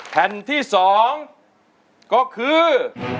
แผ่นที่๒ก็คือ